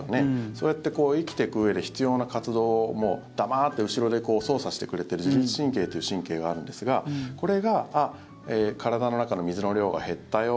そうやって生きてくうえで必要な活動を黙って後ろで操作してくれてる自律神経という神経があるんですがこれが体の中の水の量が減ったよ